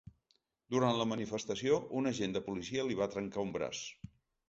Durant la manifestació, un agent de policia li va trencar un braç.